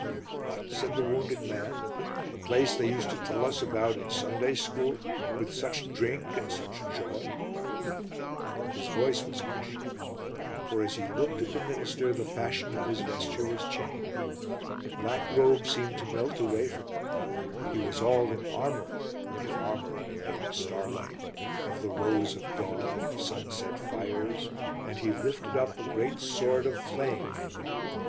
"What," said the wounded man, "the place they used to tell us about in Sunday school? With such drink and such joy " His voice was hushed. For as he looked at the minister the fashion of his vesture was changed. The black robe seemed to melt away from him. He was all in armour, if armour be made of starlight, of the rose of dawn, and of sunset fires; and he lifted up a great sword of flame.